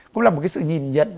cũng là một cái sự nhìn nhận